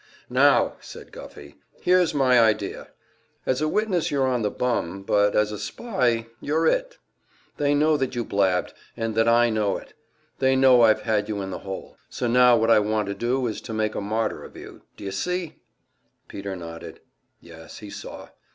"Now," said Guffey, "here's my idea: As a witness you're on the bum, but as a spy, you're it. They know that you blabbed, and that I know it; they know I've had you in the hole. So now what I want to do is to make a martyr of you. D'you see?" Peter nodded; yes, he saw.